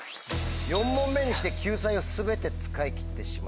４問目にして救済を全て使い切ってしまいました。